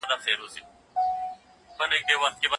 سره زر به تل د دې کورنۍ اقتصاد پياوړی وساتي.